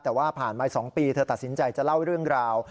แต่ว่าผ่านมา๒ปีเธอตัดสินใจจะเล่าเรื่องราว